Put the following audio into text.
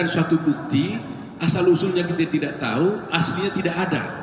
suatu bukti asal usulnya kita tidak tahu aslinya tidak ada